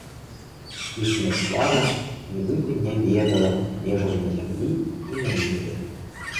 Іхняя слава нібыта не ведала межаў на зямлі і на небе.